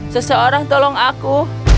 seseorang tolong aku